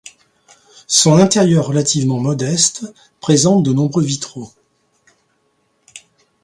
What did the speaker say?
Son intérieur relativement modeste présente de nombreux vitraux.